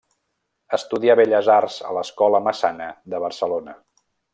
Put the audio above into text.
Estudià Belles Arts a l'Escola Massana de Barcelona.